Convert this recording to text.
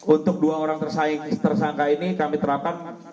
untuk dua orang tersangka ini kami terapkan